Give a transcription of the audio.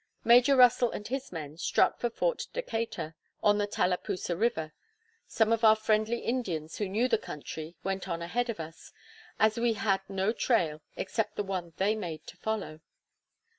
Major Russell and his men struck for Fort Decatur, on the Talapoosa river. Some of our friendly Indians, who knew the country, went on ahead of us, as we had no trail except the one they made to follow.